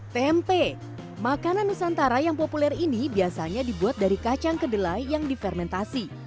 tempe makanan nusantara yang populer ini biasanya dibuat dari kacang kedelai yang difermentasi